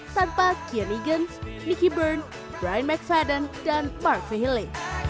tanpa kean egan nicky byrne brian mcfadden dan mark fahily